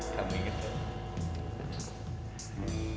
kamu inget kan